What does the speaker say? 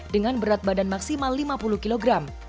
dengan berat badan maksimal lima puluh kg